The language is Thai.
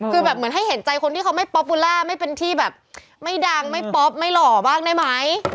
คือแบบเหมือนให้เห็นใจคนที่เขาไม่ป๊อปบูล่าไม่เป็นที่แบบไม่ดังไม่ป๊อปไม่หล่อบ้างได้ไหม